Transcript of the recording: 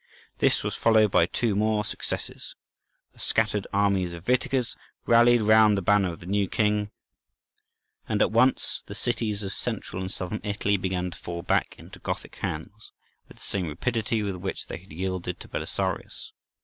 This was followed by two more successes; the scattered armies of Witiges rallied round the banner of the new king, and at once the cities of Central and Southern Italy began to fall back into Gothic hands, with the same rapidity with which they had yielded to Belisarius.